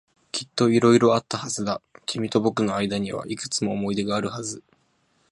きっと色々あったはずだ。君と僕の間にはいくつも思い出があるはず。